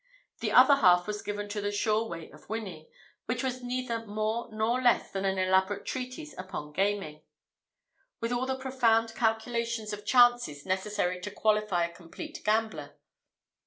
The other half was given to "The Sure Way of Winning," which was neither more nor less than an elaborate treatise upon gaming; with all the profound calculations of chances necessary to qualify a complete gambler.